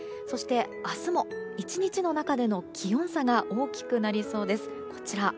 そして、明日も１日の中での気温差が大きくなりそうです。